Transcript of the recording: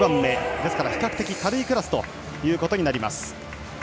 ですから比較的軽いクラスということになります。